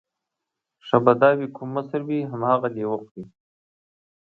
ښه به دا وي کوم مشر وي همغه دې وخوري.